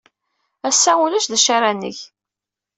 Ass-a, ulac d acu ara neg.